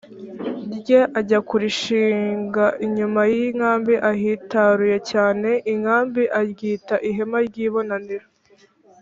rye ajya kurishinga inyuma y inkambi ahitaruye cyane inkambi aryita ihema ry ibonaniro